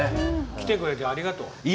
来てくれてありがとう。